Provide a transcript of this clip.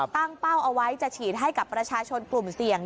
เป้าเอาไว้จะฉีดให้กับประชาชนกลุ่มเสี่ยง